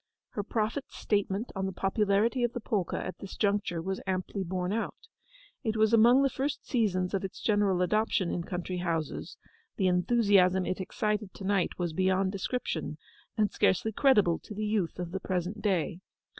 Her prophet's statement on the popularity of the polka at this juncture was amply borne out. It was among the first seasons of its general adoption in country houses; the enthusiasm it excited to night was beyond description, and scarcely credible to the youth of the present day.